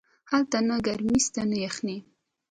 هلته نه گرمي سته نه يخني.